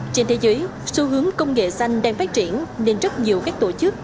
trên thế giới xu hướng công nghệ xanh đang phát triển nên rất nhiều các tổ chức